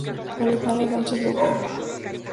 Alejandro Sánchez Lopera.